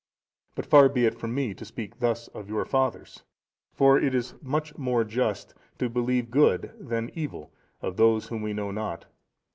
But far be it from me to speak thus of your fathers, for it is much more just to believe good than evil of those whom we know not.